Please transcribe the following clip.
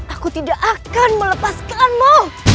aku tidak akan melepaskanmu